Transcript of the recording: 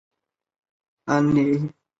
长穗花为野牡丹科长穗花属下的一个种。